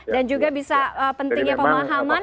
dan juga bisa pentingnya pemahaman